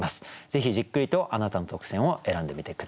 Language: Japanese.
ぜひじっくりとあなたの特選を選んでみて下さい。